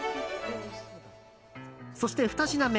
そして２品目。